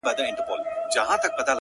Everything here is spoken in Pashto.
o ژوند مي د هوا په لاس کي وليدی ـ